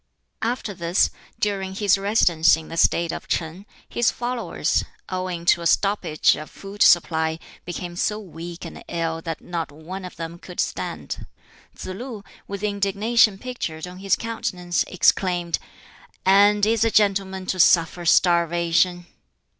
After this, during his residence in the State of Ch'in, his followers, owing to a stoppage of food supply, became so weak and ill that not one of them could stand. Tsz lu, with indignation pictured on his countenance, exclaimed, "And is a gentleman to suffer starvation?"